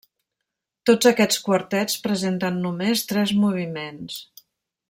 Tots aquests quartets presenten només tres moviments.